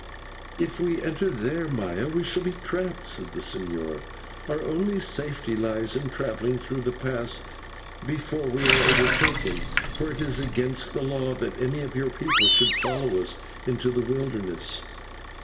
"If we enter there, Maya, we shall be trapped," said the señor; "our only safety lies in travelling through the pass before we are overtaken, for it is against the law that any of your people should follow us into the wilderness."